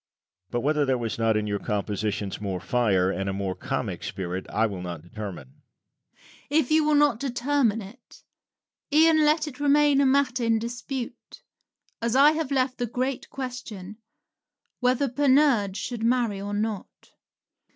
But whether there was not in your compositions more fire, and a more comic spirit, I will not determine. Rabelais. If you will not determine it, e'en let it remain a matter in dispute, as I have left the great question, Whether Panurge should marry or not?